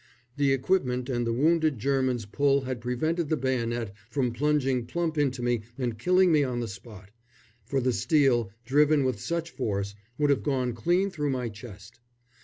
The equipment and the wounded German's pull had prevented the bayonet from plunging plump into me and killing me on the spot, for the steel, driven with such force, would have gone clean through my chest.